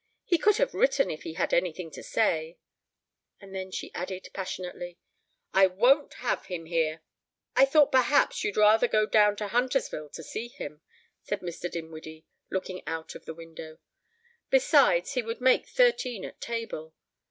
He could have written if he had anything to say." And then she added passionately, "I won't have him here!" "I thought perhaps you'd rather go down to Huntersville to see him," said Mr. Dinwiddie, looking out of the window. "Besides, he would make thirteen at table.